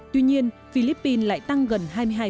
tuy nhiên philippines lại tăng gần hai mươi hai